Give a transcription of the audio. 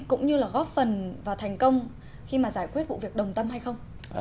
cũng như là góp phần vào thành công khi mà giải quyết vụ việc đồng tâm hay không